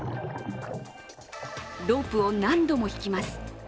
ロープを何度も引きます。